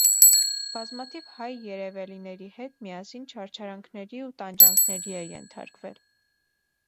Բազմաթիվ հայ երևելիների հետ միասին չարչարանքների ու տանջանքների է ենթարկվել։